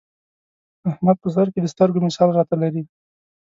احمد په سرکې د سترګو مثال را ته لري.